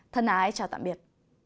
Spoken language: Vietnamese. thân ái chào tạm biệt